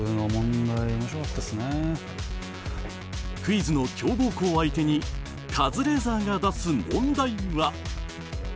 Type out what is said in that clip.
クイズの強豪校相手にカズレーザーが出す問題は？